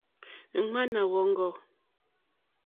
Ŋwáná wɔ̀ŋɡɔ́.